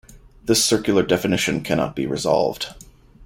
This circular definition cannot be resolved.